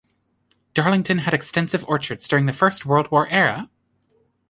Darlington had extensive orchards during the First World War era.